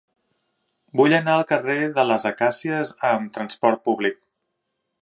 Vull anar al carrer de les Acàcies amb trasport públic.